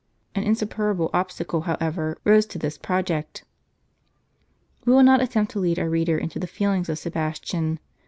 An insuperable obstacle, however, rose to this project. We will not attempt to lead our reader into the feelings of Sebastian.